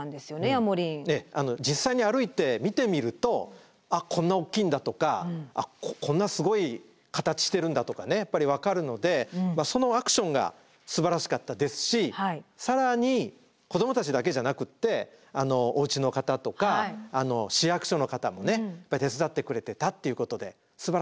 実際に歩いて見てみると「あっこんなおっきいんだ」とか「あっこんなすごい形してるんだ」とかやっぱり分かるのでそのアクションがすばらしかったですし更に子どもたちだけじゃなくっておうちの方とか市役所の方も手伝ってくれてたっていうことですばらしいチャレンジだったですね。